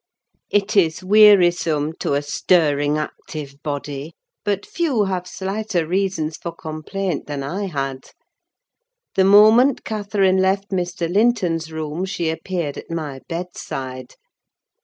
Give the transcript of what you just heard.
It is wearisome, to a stirring active body: but few have slighter reasons for complaint than I had. The moment Catherine left Mr. Linton's room she appeared at my bedside.